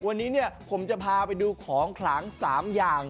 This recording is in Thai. วันนี้ผมจะพาไปดูของขลัง๓อย่าง